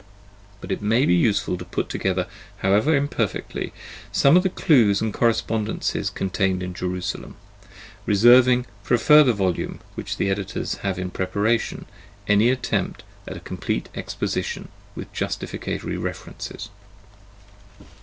But it may be useful to put together, however imperfectly, some of the clues and corre spondences contained in "Jerusalem," reserving for a further volume which the editors have in preparation any attempt at a complete exposition with justificatory references.